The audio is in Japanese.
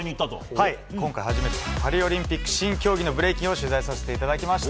はい、今回初めてパリオリンピック新競技のブレイキンを取材させていただきました。